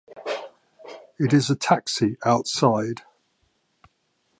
It is a taxi outside.